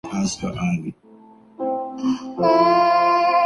اگر اس کا نتیجہ سٹریٹجک ڈیپتھ